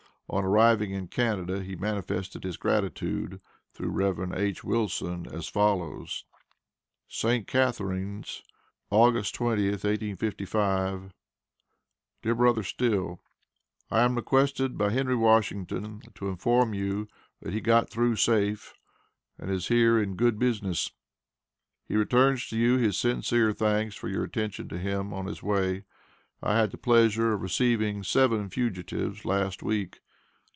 On arriving in Canada, he manifested his gratitude through Rev. H. Wilson, as follows ST. CATHARINES, Aug. 20th, 1855. DEAR BR. STILL: I am requested by Henry Washington to inform you that he got through safe, and is here in good business. He returns to you his sincere thanks for your attention to him on his way. I had the pleasure of receiving seven fugitives last week.